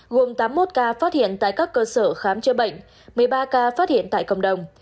gồm tám mươi một ca phát hiện tại các cơ sở khám chữa bệnh một mươi ba ca phát hiện tại cộng đồng